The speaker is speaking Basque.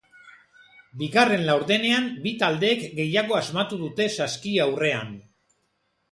Bigarren laurdenean bi taldeek gehiago asmatu dute saski aurrean.